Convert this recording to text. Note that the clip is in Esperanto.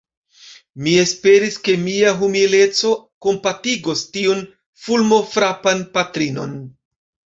Mi esperis, ke mia humileco kompatigos tiun fulmofrapan patrinon.